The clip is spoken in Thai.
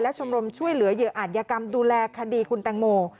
ชมรมช่วยเหลือเหยื่ออาจยกรรมดูแลคดีคุณแตงโม